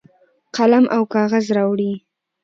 قلم او کاغذ راوړي.